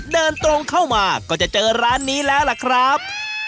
เดินตรงเข้ามาก็จะเจอร้านนี้แล้วล่ะครับ